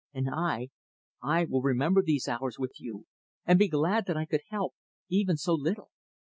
And I I will remember these hours with you, and be glad that I could help even so little.